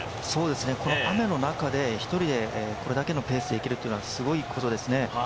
この雨の中で１人でこれだけのペースでいけるってことはすごいことですね。